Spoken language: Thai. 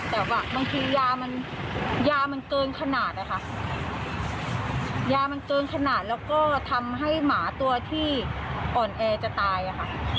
แต่ว่าบางทียามันยามันเกินขนาดนะคะยามันเกินขนาดแล้วก็ทำให้หมาตัวที่อ่อนแอจะตายอะค่ะ